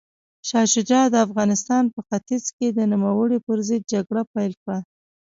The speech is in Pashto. شاه شجاع د افغانستان په ختیځ کې د نوموړي پر ضد جګړه پیل کړه.